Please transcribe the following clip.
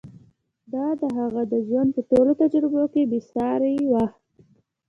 دا د هغه د ژوند په ټولو تجربو کې بې سارې وه.